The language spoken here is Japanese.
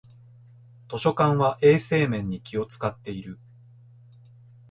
図書館は衛生面に気をつかっている